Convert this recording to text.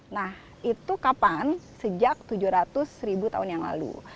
nah itu kapan sejak tujuh ratus ribu tahun yang lalu